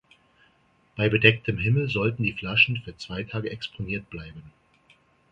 Bei bedecktem Himmel sollten die Flaschen für zwei Tage exponiert bleiben.